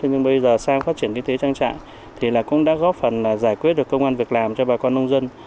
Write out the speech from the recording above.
nhưng bây giờ sang phát triển kinh tế trang trại thì cũng đã góp phần giải quyết được công an việc làm cho bà con nông dân